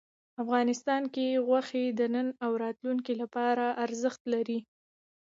افغانستان کې غوښې د نن او راتلونکي لپاره ارزښت لري.